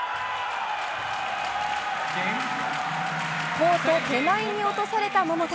コート手前に落とされた桃田。